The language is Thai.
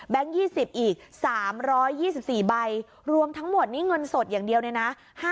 ๒๐อีก๓๒๔ใบรวมทั้งหมดนี่เงินสดอย่างเดียวเลยนะ